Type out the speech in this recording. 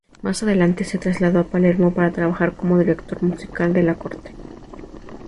Más adelante se trasladó a Palermo para trabajar como director musical de la corte.